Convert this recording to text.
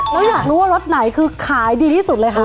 แล้วอยากรู้ว่ารสไหนคือขายดีที่สุดเลยค่ะ